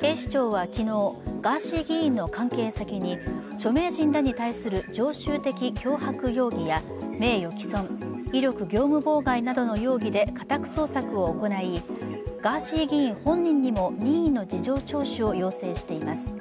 警視庁は昨日、ガーシー議員の関係先に、著名人らに対する常習的脅迫容疑や名誉毀損、威力業務妨害などの容疑で家宅捜索を行いガーシー議員本人にも任意の事情聴取を要請しています。